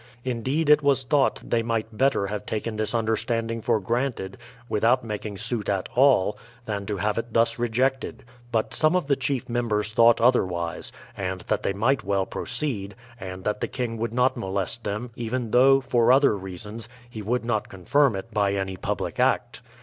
Indeed it was thought they might better have taken this understanding for granted, without making suit at all, than to have it tJius rejected. But some of the chief members thought otherwise, and that they might well proceed, and that the King would not molest them, even though, for other reasons, he would not confirm it by any public act.